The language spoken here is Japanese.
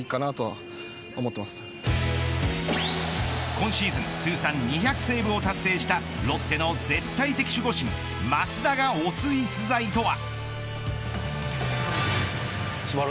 今シーズン通算２００セーブを達成したロッテの絶対的守護神益田が推す、逸材とは。